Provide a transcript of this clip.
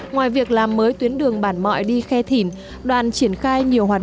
ngoài việc làm mới tuyến đường bản mọi đi khe thỉn đoàn triển khai nhiều hoạt động